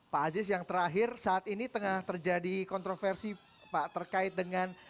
pak aziz yang terakhir saat ini tengah terjadi kontroversi pak terkait dengan